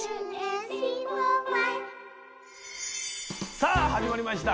さあ始まりました。